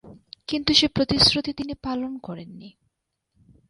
কিন্তু সে প্রতিশ্রুতি তিনি পালন করেন নি।